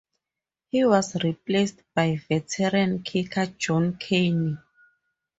He was replaced by veteran kicker John Carney.